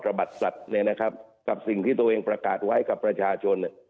ระบัดสัดนะครับกับสิ่งที่ตัวเองประกาศไว้กับประชาชน